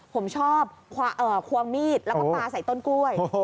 ผมชอบควงมีดแล้วก็ปลาใส่ต้นกล้วย